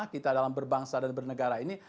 kita dalam berbangsa dan bernegara ini